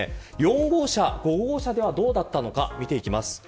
４号車、５号車ではどうだったのか見ていきます。